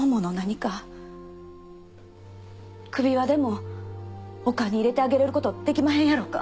首輪でもお棺に入れてあげれることできまへんやろうか？